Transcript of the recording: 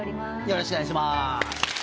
よろしくお願いします。